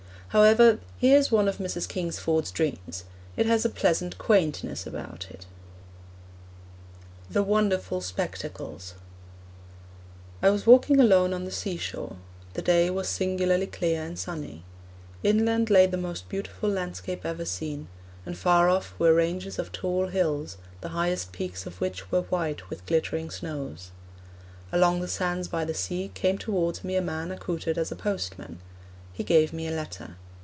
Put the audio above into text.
However, here is one of Mrs. Kingsford's dreams. It has a pleasant quaintness about it: THE WONDERFUL SPECTACLES I was walking alone on the sea shore. The day was singularly clear and sunny. Inland lay the most beautiful landscape ever seen; and far off were ranges of tall hills, the highest peaks of which were white with glittering snows. Along the sands by the sea came towards me a man accoutred as a postman. He gave me a letter.